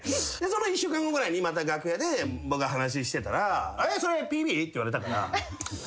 １週間後ぐらいにまた楽屋で話ししてたら「それＰＢ？」って言われたから。